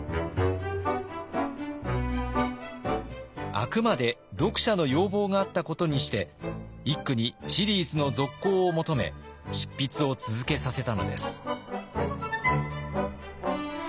あくまで読者の要望があったことにして一九にシリーズの続行を求め執筆を続けさせたのです。